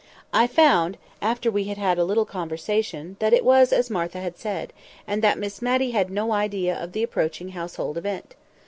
I found, after we had had a little conversation, that it was as Martha said, and that Miss Matty had no idea of the approaching household event.